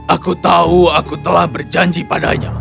aku tahu aku telah berjanji padanya